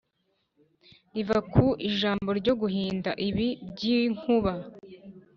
riva ku ijambo ryo guhinda, ibi by’inkuba.